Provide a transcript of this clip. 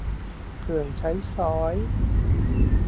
เครื่องใช้สอย